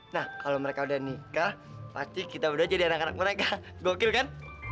nah kalau mereka udah nikah pasti kita udah jadi anak anak mereka gokil kan